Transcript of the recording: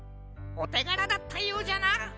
おてがらだったようじゃな。